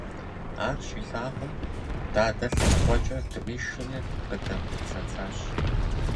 Ар щилъагъум, дадэ лъэныкъуэкӀэ дыӀуишри къыдэхъуцэцащ.